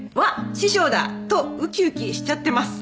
師匠だとウキウキしちゃってます」